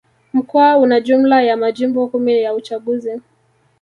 Mkoa una jumla ya Majimbo kumi ya uchaguzi